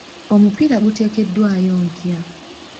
Omupiira guteekeddwayo nkya.